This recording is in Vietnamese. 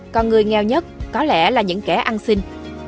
còn người nghèo nhất có lẽ là những kẻ ăn xin